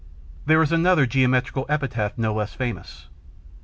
There is another geometrical epitaph no less famous.